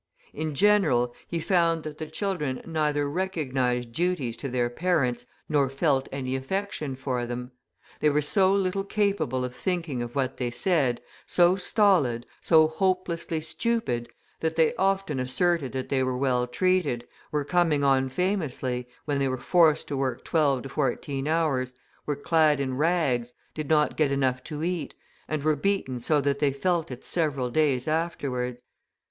In general, he found that the children neither recognised duties to their parents nor felt any affection for them. They were so little capable of thinking of what they said, so stolid, so hopelessly stupid, that they often asserted that they were well treated, were coming on famously, when they were forced to work twelve to fourteen hours, were clad in rags, did not get enough to eat, and were beaten so that they felt it several days afterwards.